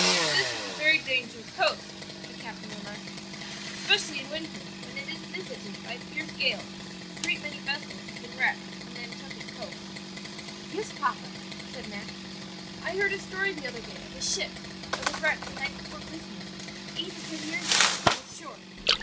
"This is a very dangerous coast," the captain remarked, "especially in winter, when it is visited by fierce gales; a great many vessels have been wrecked on Nantucket coast." "Yes, papa," said Max; "I heard a story the other day of a ship that was wrecked the night before Christmas, eight or ten years ago, on this shore.